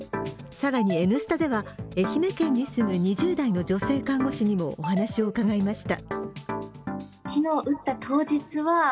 更に、「Ｎスタ」では愛媛県に住む２０代の女性看護師にもお話を伺いました。